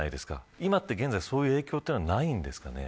今現在はそういうのはないんですかね。